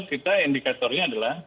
kita indikatornya adalah